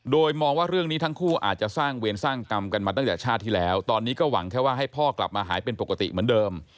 โดยมองว่าเรื่องนี้ทั้งคู่อาจจะสร้างเวรสร้างกรรมกันมาตั้งแต่ชาติที่แล้วตอนนี้ก็หวังแค่ว่าให้พ่อกลับมาหายเป็นปกติเหมือนเดิม